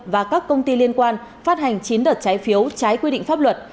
và các công ty liên quan phát hành chín đợt trái phiếu trái quy định pháp luật